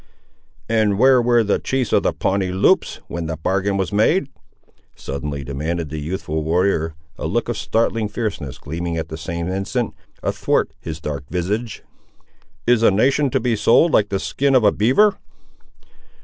"And where were the chiefs of the Pawnee Loups, when this bargain was made?" suddenly demanded the youthful warrior, a look of startling fierceness gleaming, at the same instant, athwart his dark visage. "Is a nation to be sold like the skin of a beaver?"